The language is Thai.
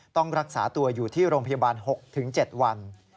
ต้องรักษาตัวอยู่ที่โรงพยาบาล๖๗วัน